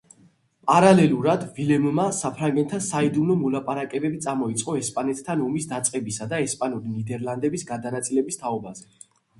პარალელურად, ვილემმა საფრანგეთთან საიდუმლო მოლაპარაკებები წამოიწყო ესპანეთთან ომის დაწყებისა და ესპანური ნიდერლანდების გადანაწილების თაობაზე.